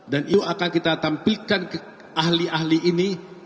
dan itu akan kita tampilkan ke ahli ahli ini